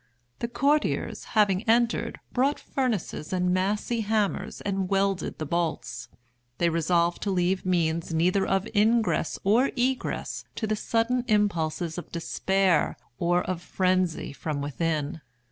The courtiers, having entered, brought furnaces and massy hammers and welded the bolts. They resolved to leave means neither of ingress or egress to the sudden impulses of despair or of frenzy from within.